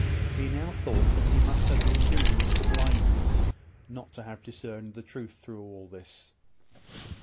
He now thought that he must have been doomed to blindness not to have discerned the truth through all this.